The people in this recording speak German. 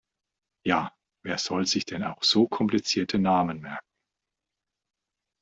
Ja, wer soll sich auch so komplizierte Namen merken!